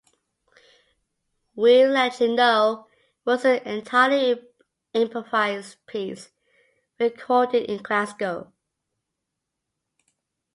"We'll Let You Know" was an entirely improvised piece recorded in Glasgow.